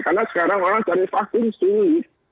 karena sekarang orang cari vaksin sendiri